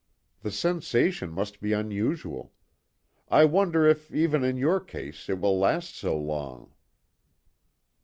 "The sensation must be unusual. I wonder if, even in your case, it will last so long."